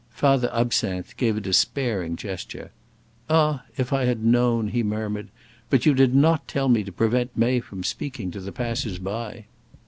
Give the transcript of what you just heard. Father Absinthe gave a despairing gesture. "Ah! if I had known!" he murmured; "but you did not tell me to prevent May from speaking to the passers by."